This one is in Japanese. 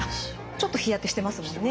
ちょっと日焼けしてますもんね。